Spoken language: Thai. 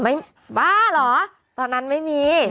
เบ้าร้อยเพิ่งไปตอนนั้นไม่มี